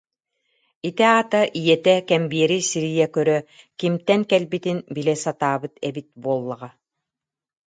Ити аата ийэтэ кэмбиэри сирийэ көрө, кимтэн кэлбитин билэ сатаабыт эбит буоллаҕа